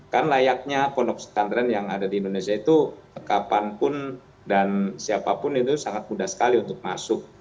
kan layaknya pondok pesantren yang ada di indonesia itu kapanpun dan siapapun itu sangat mudah sekali untuk masuk